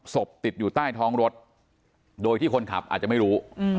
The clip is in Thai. ติดอยู่ใต้ท้องรถโดยที่คนขับอาจจะไม่รู้